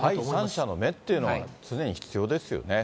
第三者の目っていうのは、常に必要ですよね。